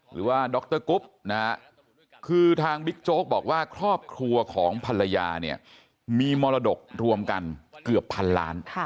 หรือว่าดรกุ๊บนะฮะคือทางบิ๊กโจ๊กบอกว่าครอบครัวของภรรยาเนี่ยมีมรดกรวมกันเกือบพันล้าน